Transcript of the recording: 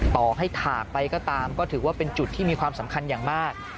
ต่อให้ถากไปก็ตามก็ถือว่าเป็นจุดที่มีความสำคัญอย่างมาก